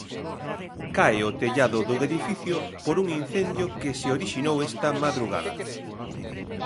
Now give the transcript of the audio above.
Cae o tellado dun edificio por un incendio que se orixinou esta madrugada.